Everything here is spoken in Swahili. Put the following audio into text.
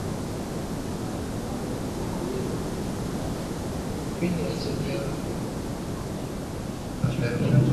Mupini ya jembe yangu ina vunjika leo